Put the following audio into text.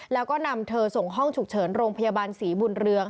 แล้วก็นำเธอส่งห้องฉุกเฉินโรงพยาบาลศรีบุญเรือง